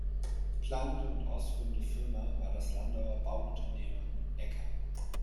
Planende und ausführende Firma war das Landauer Bauunternehmen Ecker.